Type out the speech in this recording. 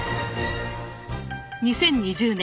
２０２０年